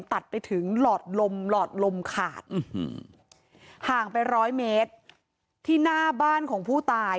ตัดไปถึงหลอดลมหลอดลมขาดห่างไปร้อยเมตรที่หน้าบ้านของผู้ตาย